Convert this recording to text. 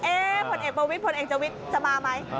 เอ๊ะผลเอกประวิทธิ์ผลเอกจวิทธิ์จะมาไหม